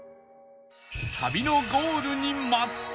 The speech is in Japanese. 旅のゴールに待つ